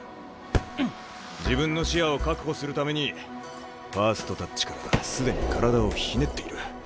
自分の視野を確保するためにファーストタッチから既に体をひねっている。